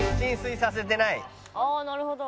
ああなるほど。